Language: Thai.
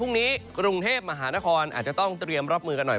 กรุงเทพมหานครอาจจะต้องเตรียมรับมือกันหน่อย